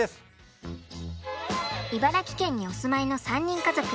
茨城県にお住まいの３人家族。